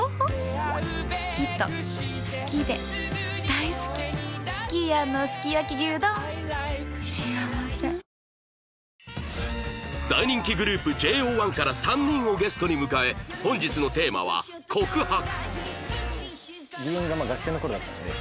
大人気グループ ＪＯ１ から３人をゲストに迎え本日のテーマは「告白」